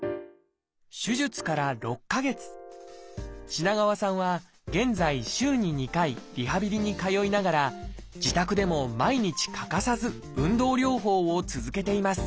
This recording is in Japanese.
品川さんは現在週に２回リハビリに通いながら自宅でも毎日欠かさず運動療法を続けています